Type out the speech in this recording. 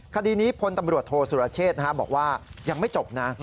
คดีนี้พลตำรวจโทษสุรเชษบอกว่ายังไม่จบนะ